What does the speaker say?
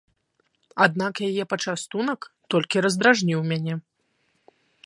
Аднак яе пачастунак толькі раздражніў мяне.